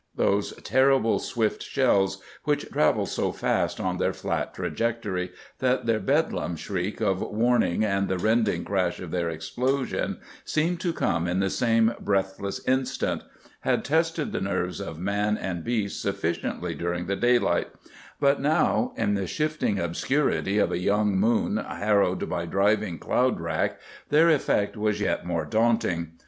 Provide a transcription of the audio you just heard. Those terrible swift shells, which travel so fast, on their flat trajectory, that their bedlam shriek of warning and the rending crash of their explosion seem to come in the same breathless instant, had tested the nerves of man and beast sufficiently during the daylight; but now, in the shifting obscurity of a young moon harrowed by driving cloud rack, their effect was yet more daunting.